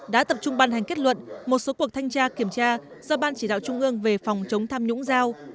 đã tập trung ban hành kết luận một số cuộc thanh tra kiểm tra do ban chỉ đạo trung ương về phòng chống tham nhũng giao